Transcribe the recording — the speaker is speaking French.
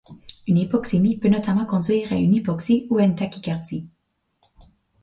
Une hypoxémie peut notamment conduire à une hypoxie ou à une tachycardie.